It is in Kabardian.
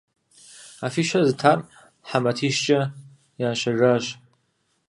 Афищэ зытар хьэ матищкӀэ ящэжащ.